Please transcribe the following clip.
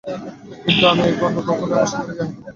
কিন্তু আমি কখনই আমার সন্তানের গায়ে হাত দিতাম না।